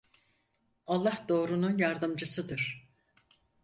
Allah doğrunun yardımcısıdır.